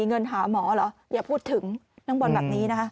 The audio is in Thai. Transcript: เงินหาหมอเหรออย่าพูดถึงเรื่องบรรณีแบบนี้นะฮะ